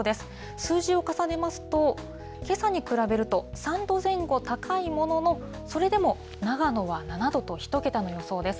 数字を重ねますと、けさに比べると３度前後高いものの、それでも、長野は７度と１桁の予想です。